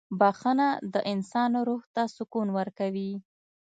• بخښنه د انسان روح ته سکون ورکوي.